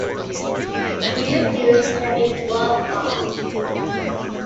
Three series have been broadcast.